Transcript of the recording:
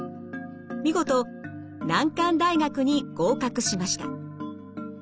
見事難関大学に合格しました。